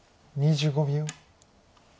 ２５秒。